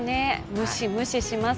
ムシムシします。